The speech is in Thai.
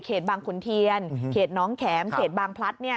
บางขุนเทียนเขตน้องแข็มเขตบางพลัด